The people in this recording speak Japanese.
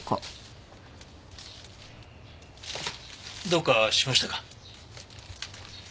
どうかしましたか？